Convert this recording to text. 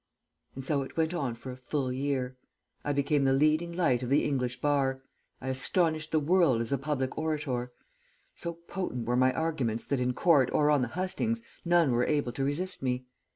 "And so it went on for a full year. I became the leading light of the English bar; I astonished the world as a public orator; so potent were my arguments that in court or on the hustings none were able to resist me.